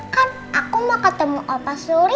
kan aku mau ketemu opa surya